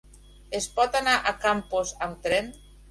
Es pot anar a Campos amb tren?